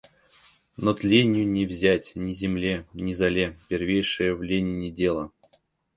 Но тленью не взять — ни земле, ни золе — первейшее в Ленине — дело.